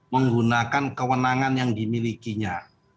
menggunakan kewenangan yang dimilikinya